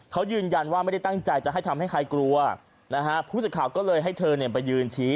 เขายืนยันว่าไม่ได้ตั้งใจจะให้ทำให้ใครกลัวนะฮะผู้สื่อข่าวก็เลยให้เธอเนี่ยไปยืนชี้